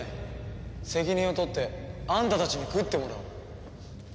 責任を取ってあんたたちに食ってもらおう。